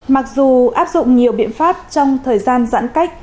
mặc dù áp dụng nhiều biện pháp trong thời gian giãn cách